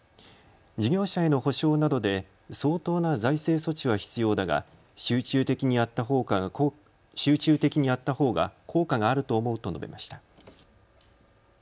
事業者への補償などで相当な財政措置は必要だが集中的にやったほうが効果があると思うと述べました。